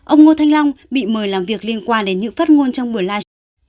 ông ngô thanh long bị mời làm việc liên quan đến những phát ngôn trong bữa live